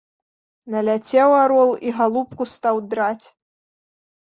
Наляцеў арол і галубку стаў драць.